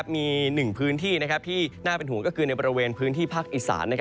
มีหนึ่งพื้นที่ที่น่าเป็นห่วงก็คือในบริเวณพื้นที่ภาคอีสาน